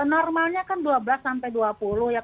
normalnya kan dua belas sampai dua puluh ya